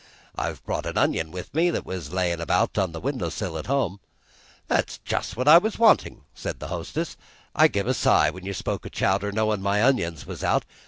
I've brought an onion with me that was layin' about on the window sill at home." "That's just what I was wantin'," said the hostess. "I give a sigh when you spoke o' chowder, knowin' my onions was out.